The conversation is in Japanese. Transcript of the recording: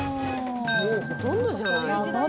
もうほとんどじゃないの？